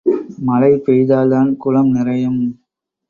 மழை பெய்தால்தான் குளம் நிறையும்.